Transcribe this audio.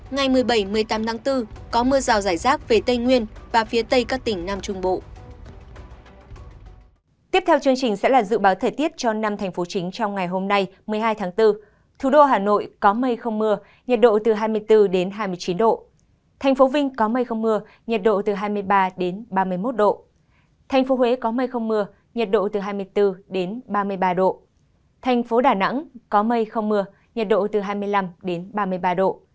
ngày một mươi bảy một mươi tám tháng bốn có mưa rào rải rác về tây nguyên và phía tây các tỉnh nam trung bộ